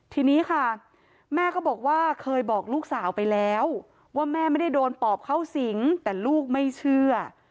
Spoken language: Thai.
ทีนี้ค่ะแม่ก็บอกว่าเคยบอกลูกสาวไปแล้วว่าแม่ไม่ได้โดนปอบเข้าสิงแต่ลูกไม่เชื่อ